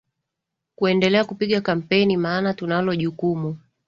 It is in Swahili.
kuendelea kupiga kampeni maana tunalo jukumu